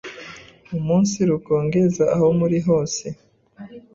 umunsirukongeza aho muri hose,